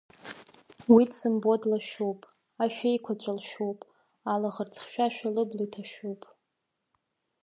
Уи дзымбо длашәуп, ашәеиқәаҵәа лшәуп, алаӷырӡ хьшәашәа лыбла иҭашәуп.